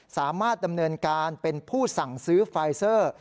สามารถดำเนินการเป็นผู้สั่งซื้อไฟเซอร์